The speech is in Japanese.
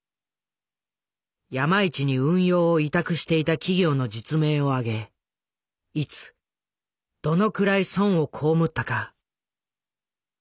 山一に運用を委託していた企業の実名を挙げいつどのくらい損を被ったか。